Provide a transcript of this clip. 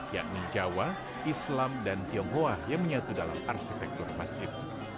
yakni jawa islam dan tionghoa yang menyatu dalam arsitektur masjid